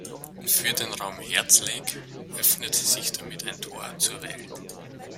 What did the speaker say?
Für den Raum Herzlake öffnete sich damit ein „Tor zur Welt“.